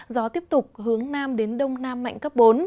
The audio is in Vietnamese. gió tiếp tục hướng nam đến đông nam mạnh cấp bốn